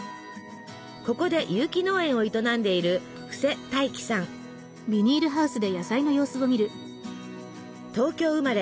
ここで有機農園を営んでいる東京生まれ